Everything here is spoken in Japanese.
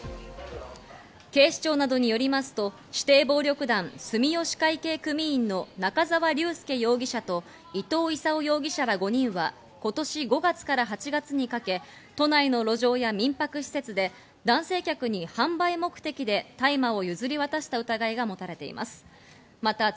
警視庁などによりますと、指定暴力団住吉会系組員の中沢隆亮容疑者と伊藤功容疑者ら５人は今年５月から８月にかけ、都内の路上や民泊施設で男性客に販売目的で大麻を譲り渡した疑いが持たれています。